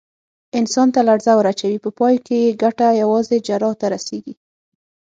انسان ته لړزه ور اچوي، په پای کې یې ګټه یوازې جراح ته رسېږي.